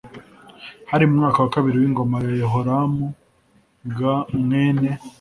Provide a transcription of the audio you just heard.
Hari mu mwaka wa kabiri w ingoma ya Yehoramu g mwene